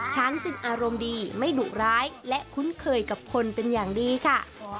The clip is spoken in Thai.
ช้างจึงอารมณ์ดีไม่ดุร้ายและคุ้นเคยกับคนเป็นอย่างดีค่ะ